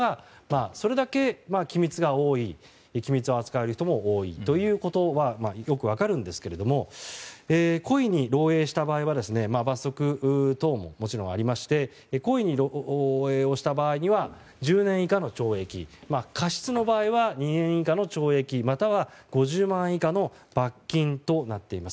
それだけ機密が多いだから機密を扱える人も多いということがよく分かりますが故意に漏洩した場合は罰則等ももちろんありまして恋に漏洩をした場合には１０年以下の懲役過失の場合は２年以下の懲役または５０万円以下の罰金となっています。